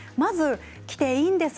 来ていいんです。